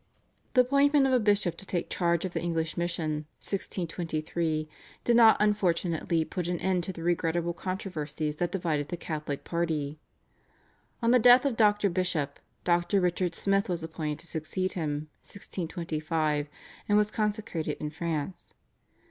The appointment of a bishop to take charge of the English Mission (1623) did not unfortunately put an end to the regrettable controversies that divided the Catholic party. On the death of Dr. Bishop, Dr. Richard Smith was appointed to succeed him (1625), and was consecrated in France.